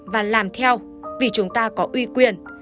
và làm theo vì chúng ta có uy quyền